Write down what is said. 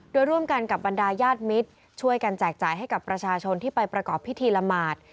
โดยร่วมกันกับบรรดายาดมิตรช่วยกันแจกจ่ายให้กับประชาชนที่ไปประกอบพิธีละหมาด